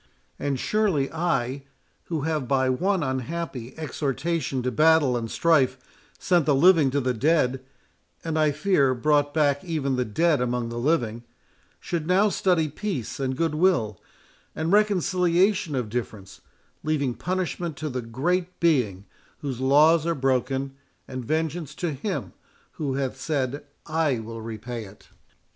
And surely I, who have by one unhappy exhortation to battle and strife sent the living to the dead—and I fear brought back even the dead among the living—should now study peace and good will, and reconciliation of difference, leaving punishment to the Great Being whose laws are broken, and vengeance to Him who hath said, I will repay it."